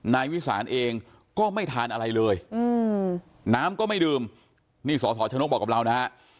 นายวิสานเองก็ไม่ทานอะไรเลยน้ำก็ไม่ดื่มนี่สสชนกบอกกับเรานะฮะ